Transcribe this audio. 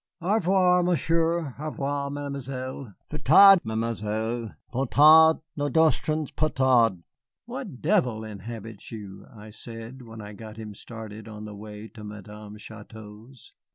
"Au revoir, Monsieur. Au revoir, Mademoiselle. Plus tard, Mademoiselle; nous danserons plus tard." "What devil inhabits you?" I said, when I had got him started on the way to Madame Chouteau's.